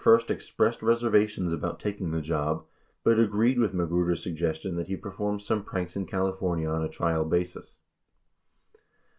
191 first expressed reservations about taking the job, but agreed with Ma gruder's suggestion that he perform some pranks in California on a trial basis.